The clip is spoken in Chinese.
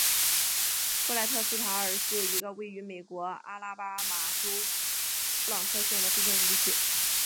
布赖特斯塔尔是一个位于美国阿拉巴马州布朗特县的非建制地区。